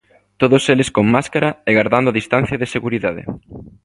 Todos eles con máscara e gardando a distancia de seguridade.